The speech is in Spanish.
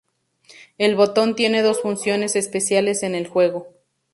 El botón tiene dos funciones especiales en el juego.